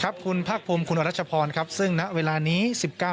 ครับคุณภาคภูมิคุณอรัชพรครับซึ่งณเวลานี้สิบเก้า